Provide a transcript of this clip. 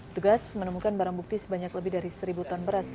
tugas menemukan barang bukti sebanyak lebih dari seribu ton beras